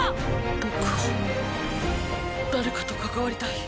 僕は誰かと関わりたい。